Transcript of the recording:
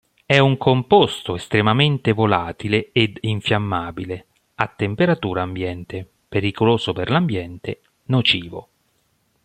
È un composto estremamente volatile ed infiammabile a temperatura ambiente, pericoloso per l'ambiente, nocivo.